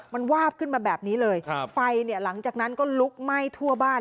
มันวาบขึ้นมาแบบนี้เลยครับไฟเนี่ยหลังจากนั้นก็ลุกไหม้ทั่วบ้าน